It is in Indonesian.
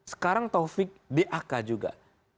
sekarang taufik dak juga